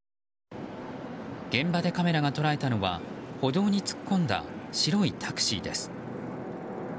現場でカメラが捉えたのは歩道に突っ込んだ白いタクシーです。